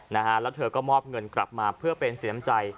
นะฮะแล้วเธอก็มอบเงินกลับมาเพื่อเป็นเสียมใจ